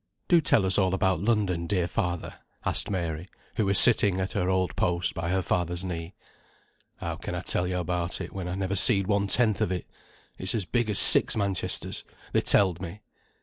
"Do tell us all about London, dear father," asked Mary, who was sitting at her old post by her father's knee. "How can I tell yo a' about it, when I never seed one tenth of it. It's as big as six Manchesters, they telled me.